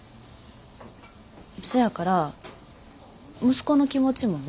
そやから息子の気持ちも分かんねん。